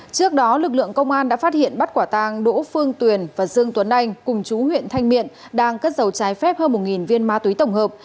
trước đó lực lượng công an đã phát hiện bắt quả tàng đỗ phương tuyền và dương tuấn anh cùng chú huyện thanh miện đang cất giấu trái phép hơn một viên ma túy tổng hợp